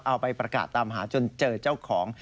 เอาไปประกาศตามหาจนเจอเจ้าของ